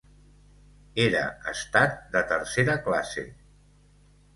Era estat de tercera classe.